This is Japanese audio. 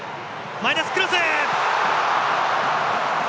マイナス、クロス！